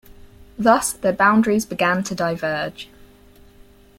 Thus their boundaries began to diverge.